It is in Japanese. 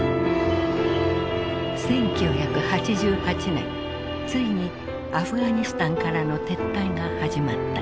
１９８８年ついにアフガニスタンからの撤退が始まった。